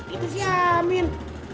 itu si amin